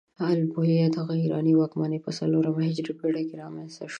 ال بویه دغه ایراني واکمنۍ په څلورمه هجري پيړۍ کې رامنځته شوه.